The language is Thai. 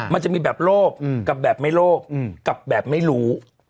มันจะมีแบบโลภกับแบบไม่โลภกับแบบไม่รู้